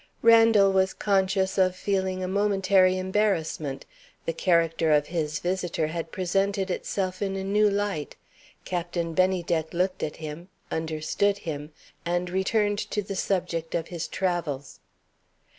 Randal was conscious of feeling a momentary embarrassment. The character of his visitor had presented itself in a new light. Captain Bennydeck looked at him understood him and returned to the subject of his travels.